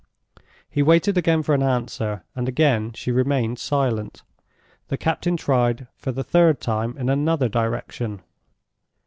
He waited again for an answer, and again she remained silent. The captain tried for the third time in another direction.